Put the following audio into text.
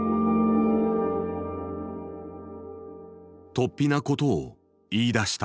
突飛なことを言いだした。